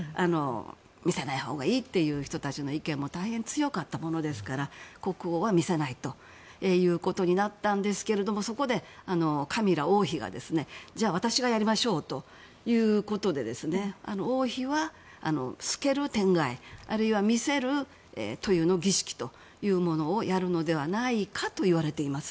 見せないほうがいいという人たちの意見も大変強かったものですから国王は見せないということになったんですけれどもそこで、カミラ王妃がじゃあ私がやりましょうということで王妃は、透ける天蓋あるいは見せる塗油の儀式というものをやるのではないかといわれています。